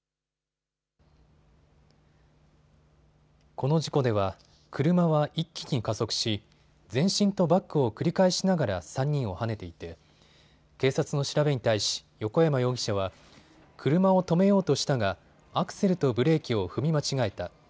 この事故では車は一気に加速し前進とバックを繰り返しながら３人をはねていて警察の調べに対し横山容疑者は車を止めようとしたがアクセルとブレーキを踏み間違えた。